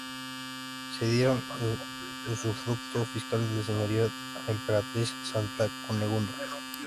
Cedieron el usufructo fiscal del Señorío a la emperatriz Santa Cunegunda.